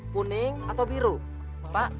puning atau biru pak